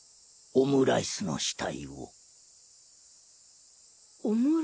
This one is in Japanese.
オムライスの死体？